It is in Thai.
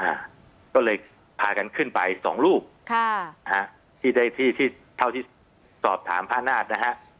อ่าก็เลยพากันขึ้นไปสองรูปค่ะนะฮะที่ได้ที่ที่เท่าที่สอบถามพระนาฏนะฮะ